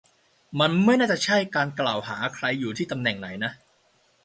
มันไม่น่าจะใช่การกล่าวหาว่า ใครอยู่ที่ตำแหน่งไหน